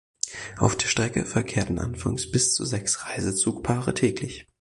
Auf der Strecke verkehrten anfangs bis zu sechs Reisezugpaare täglich.